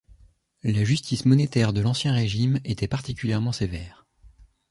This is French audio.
La justice monétaire de l'Ancien régime était particulièrement sévère.